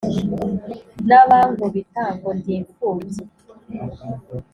n'abankubita ngo ndi imfubyi